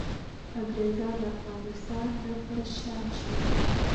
انګریزان له افغانستان نه په شا شول.